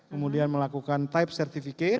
kemudian melakukan type certificate